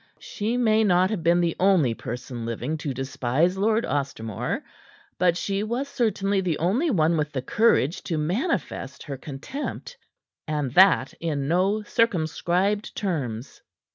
She may not have been the only person living to despise Lord Ostermore; but she was certainly the only one with the courage to manifest her contempt, and that in no circumscribed terms.